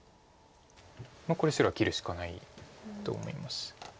これ白は切るしかないと思います。